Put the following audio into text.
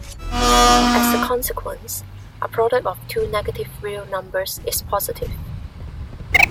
As a consequence, a product of two negative real numbers is positive.